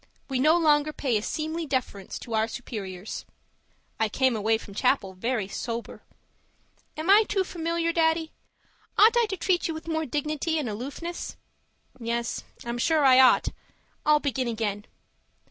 We no longer pay a seemly deference to our superiors. I came away from chapel very sober. Am I too familiar, Daddy? Ought I to treat you with more dignity and aloofness? Yes, I'm sure I ought. I'll begin again.